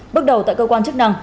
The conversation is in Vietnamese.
bước đầu tại cơ quan chức năng